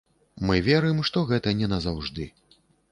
Мы верым, што гэта не назаўжды.